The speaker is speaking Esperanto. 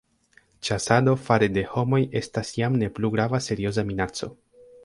Ĉasado fare de homoj estas jam ne plu grava serioza minaco.